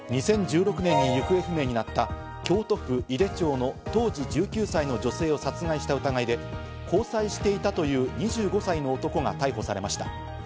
２０１６年に行方不明になった京都府井手町の当時１９歳の女性を殺害した疑いで、交際していたという２５歳の男が逮捕されました。